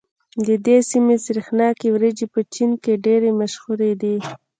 د دې سيمې سرېښناکې وريجې په چين کې ډېرې مشهورې دي.